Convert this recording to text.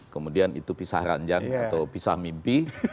kemudian itu pisah ranjang atau pisah mimpi